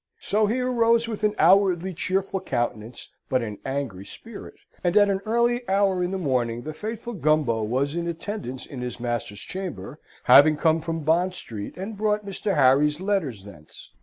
So he arose with an outwardly cheerful countenance, but an angry spirit; and at an early hour in the morning the faithful Gumbo was in attendance in his master's chamber, having come from Bond Street, and brought Mr. Harry's letters thence.